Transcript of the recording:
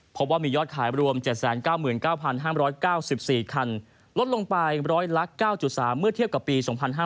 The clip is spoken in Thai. พบว่ามียอดขายรวม๗๙๙๕๙๔คันลดลงไป๑๐๐ละ๙๓เมื่อเทียบกับปี๒๕๕๙